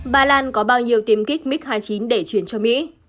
bà lan có bao nhiêu tiêm kích mig hai mươi chín để chuyển cho mỹ